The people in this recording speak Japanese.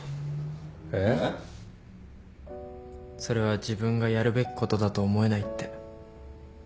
「それは自分がやるべきことだと思えない」って。